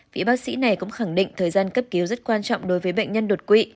vị bác sĩ này cũng khẳng định thời gian cấp cứu rất quan trọng đối với bệnh nhân đột quỵ